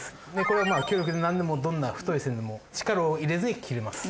これはなんでもどんな太い線でも力を入れずに切れます。